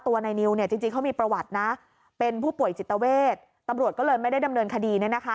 ในนิวเนี่ยจริงเขามีประวัตินะเป็นผู้ป่วยจิตเวทตำรวจก็เลยไม่ได้ดำเนินคดีเนี่ยนะคะ